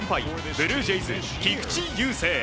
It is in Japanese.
ブルージェイズ、菊池雄星。